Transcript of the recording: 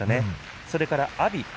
それから阿炎